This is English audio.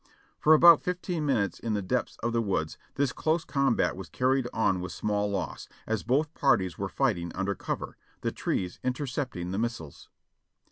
For about fifteen minutes in the depths of the woods this close combat was carried on with small loss, as both parties were fight ing under cover, the trees intercepting the missiles.